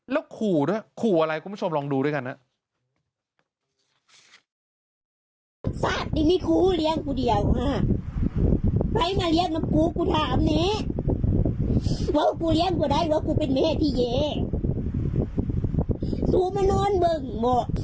แล้วขู่ด้วยขู่อะไรคุณผู้ชมลองดูด้วยกันนะ